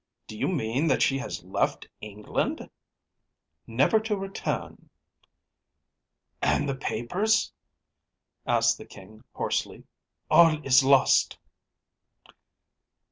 “Do you mean that she has left England?‚ÄĚ “Never to return.‚ÄĚ “And the papers?‚ÄĚ asked the King hoarsely. “All is lost.